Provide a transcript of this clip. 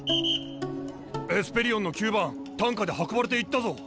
エスペリオンの９番担架で運ばれていったぞ。